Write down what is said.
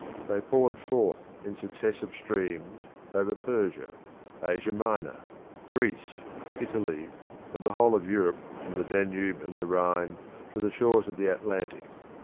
They poured forth in successive streams over Persia, Asia Minor, Greece, Italy, and the whole of Europe from the Danube and the Rhine to the shores of the Atlantic.